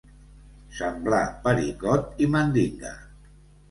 Semblar Pericot i Mandinga.